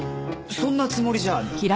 そんなつもりじゃ。